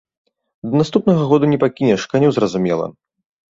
Да наступнага году не пакінеш, каню зразумела.